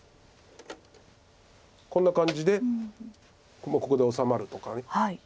こんな感じでもうここで治まるとか。